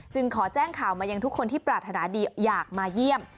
ขอแจ้งข่าวมายังทุกคนที่ปรารถนาดีอยากมาเยี่ยม